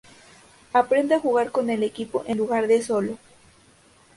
Aprende a jugar con equipo en lugar de solo.